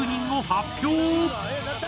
発表！